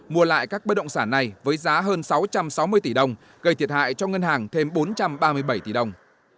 mua lại các bất động sản này với giá hơn sáu trăm sáu mươi tỷ đồng gây thiệt hại cho ngân hàng thêm bốn trăm ba mươi bảy tỷ đồng